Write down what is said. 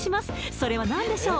それは何でしょう？